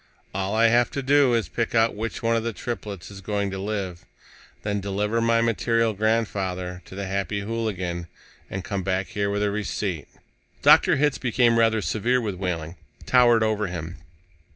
"All I have to do is pick out which one of the triplets is going to live, then deliver my maternal grandfather to the Happy Hooligan, and come back here with a receipt." Dr. Hitz became rather severe with Wehling, towered over him.